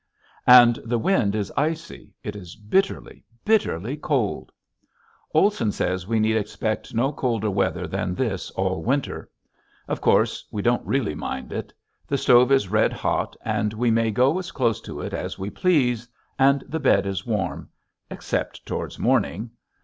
And the wind is icy; it is bitterly, bitterly cold. Olson says we need expect no colder weather than this all winter. Of course we don't really mind it. The stove is red hot and we may go as close to it as we please, and the bed is warm except towards morning.